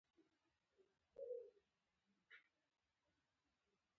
خو دا ځای په حقیقت کې ځانګړی دی او په لیدلو ارزي.